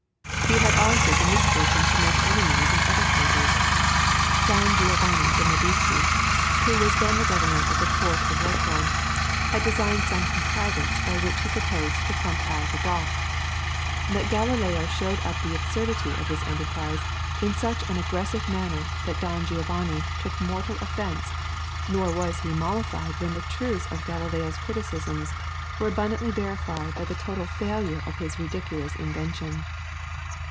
He had also the misfortune to make enemies in other quarters. Don Giovanni de Medici, who was then the Governor of the Port of Leghorn, had designed some contrivance by which he proposed to pump out a dock. But Galileo showed up the absurdity of this enterprise in such an aggressive manner that Don Giovanni took mortal offence, nor was he mollified when the truths of Galileo's criticisms were abundantly verified by the total failure of his ridiculous invention.